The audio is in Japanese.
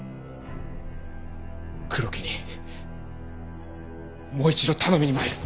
黒木にもう一度頼みに参る。